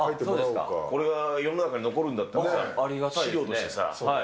これが世の中に残るんだったらさ、資料としてさ。